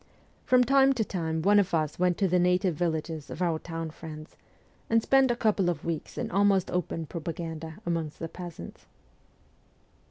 From time to time one of us went to the native villages of our town friends, and spent a couple of weeks in almost open propaganda amongst the peasants.